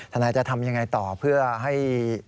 นายจะทำยังไงต่อเพื่อให้